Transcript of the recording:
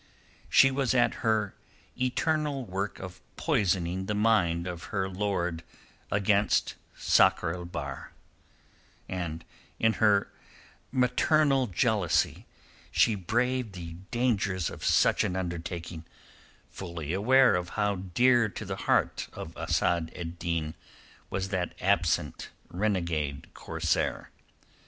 She was at her eternal work of poisoning the mind of her lord against Sakr el Bahr, and in her maternal jealousy she braved the dangers of such an undertaking, fully aware of how dear to the heart of Asad ed Din was that absent renegade corsair.